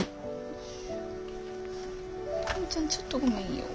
トムちゃんちょっとごめんよ。